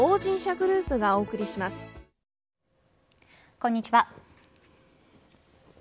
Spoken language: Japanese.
こんにちは。